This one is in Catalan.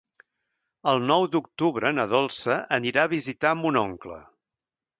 El nou d'octubre na Dolça anirà a visitar mon oncle.